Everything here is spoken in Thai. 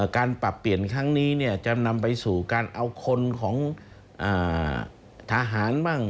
การปรับเปลี่ยนครั้งนี้จะนำไปสู่การเอาคนของทหารบ้าง